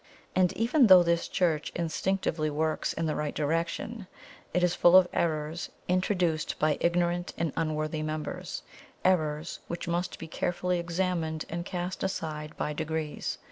And even though this Church instinctively works in the right direction, it is full of errors introduced by ignorant and unworthy members errors which must be carefully examined and cast aside by degrees.